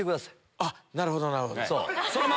あっなるほどなるほど。